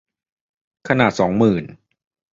ขนาดสองหมื่น